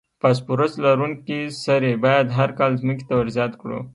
فاسفورس لرونکي سرې باید هر کال ځمکې ته ور زیات کړو.